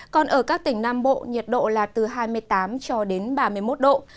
còn ở các tỉnh nam bộ nhiệt độ là từ hai mươi tám cho đến ba mươi một độ